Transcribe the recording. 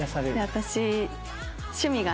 私。